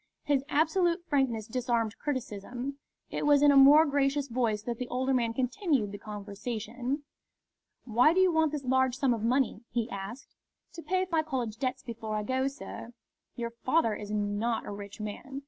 His absolute frankness disarmed criticism. It was in a more gracious voice that the older man continued the conversation. "Why do you want this large sum of money?" he asked. "To pay my college debts before I go, sir." "Your father is not a rich man."